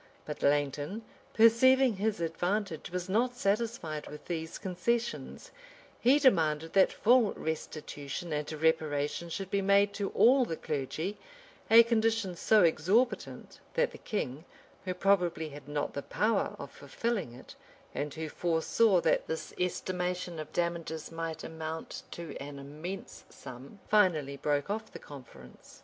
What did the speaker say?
But Langton, perceiving his advantage, was not satisfied with these concessions: he demanded that full restitution and reparation should be made to all the clergy; a condition so exorbitant, that the king, who probably had not the power of fulfilling it, and who foresaw that this estimation of damages might amount to an immense sum, finally broke off the conference.